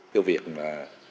cái việc mà